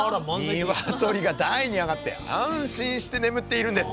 鶏が台に上がって安心して眠っているんです